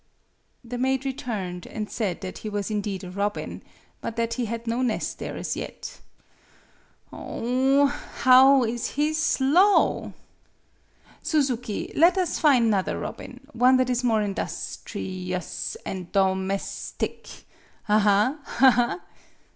The maid returned, and said that he was indeed a robin, but that he had no nest there as yet. "Oh, bow he is slow! Suzuki, let us fine 'nother robin, one that is more indus tri ous an' domes tic, aha, ha, ha!"